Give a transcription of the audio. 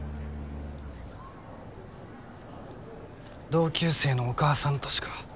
同級生のお母さんとしか。